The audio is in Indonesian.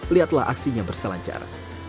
lihatlah aksinya berselancar